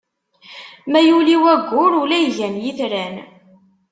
Ma yuli waggur, ula igan itran.